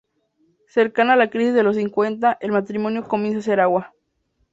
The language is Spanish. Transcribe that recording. Cercana la crisis de los cincuenta, el matrimonio comienza a hacer agua.